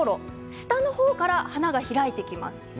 下の方から花が開いていきます。